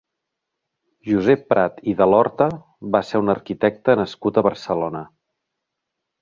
Josep Prat i Delorta va ser un arquitecte nascut a Barcelona.